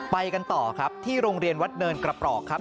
ไปกันต่อครับที่โรงเรียนวัดเนินกระปรอกครับ